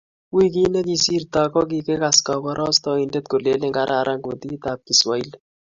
Wikit ne kisirtoi, ko kikikas koborostoindet kolen kararan kutitab kiswahili